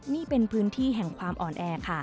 นี่เป็นพื้นที่แห่งความอ่อนแอค่ะ